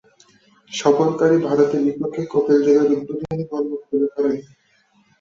সফরকারী ভারতের বিপক্ষে কপিল দেবের উদ্বোধনী বল মোকাবেলা করেন।